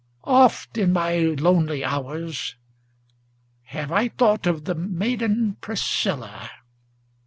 Oft in my lonely hours have I thought of the maiden Priscilla.